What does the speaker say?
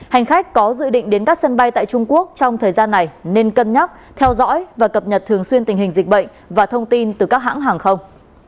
hành khách có dự định đến các sân bay tại trung quốc trong thời gian này nên cân nhắc theo dõi và cập nhật thường xuyên tình hình dịch bệnh và thông tin từ các hãng hàng không